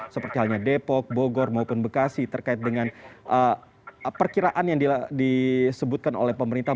seperti halnya depok bogor maupun bekasi terkait dengan perkiraan yang disebutkan oleh pemerintah